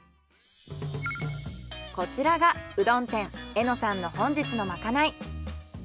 こちらがうどん店笑乃讃の本日のまかない。